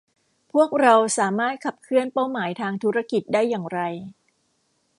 พวกเราสามารถขับเคลื่อนเป้าหมายทางธุรกิจได้อย่างไร